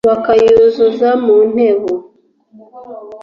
bakayuzuza mu ntebo,